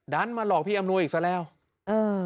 มาหลอกพี่อำนวยอีกซะแล้วเออ